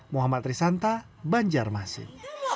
muhammad risanta banjarmasin